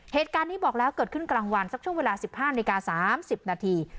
เหตุการณ์นี้บอกแล้วเกิดขึ้นกลางวันสักช่วงเวลา๑๕นาฬิกา๓๐นาที